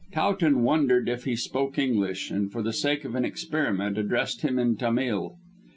Towton wondered if he spoke English, and, for the sake of an experiment, addressed him in Tamil.